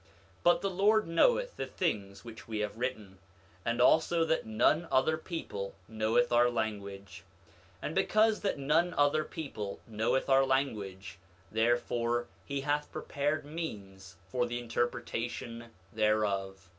9:34 But the Lord knoweth the things which we have written, and also that none other people knoweth our language; and because that none other people knoweth our language, therefore he hath prepared means for the interpretation thereof.